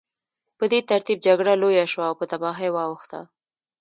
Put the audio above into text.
په دې ترتیب جګړه لویه شوه او په تباهۍ واوښته